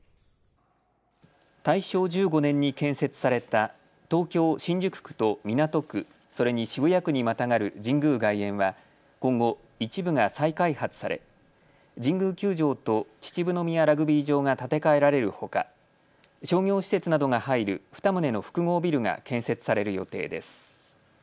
大正１５年に建設された東京新宿区と港区、それに渋谷区にまたがる神宮外苑は今後、一部が再開発され神宮球場と秩父宮ラグビー場が建て替えられるほか商業施設などが入る２棟の複合ビルが建設される予定です。